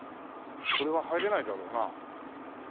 これは入れないだろうな。